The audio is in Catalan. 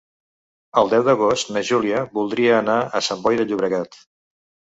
El deu d'agost na Júlia voldria anar a Sant Boi de Llobregat.